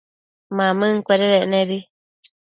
Mamëncuededec nebi